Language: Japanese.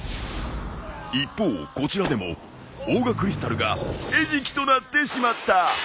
一方こちらでもオーガクリスタルが餌食となってしまった！